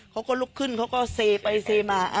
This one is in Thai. เขาก็ลุกขึ้นเขาก็เซไปเซมา